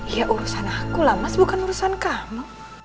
ya urusan aku lah mas bukan urusan kamu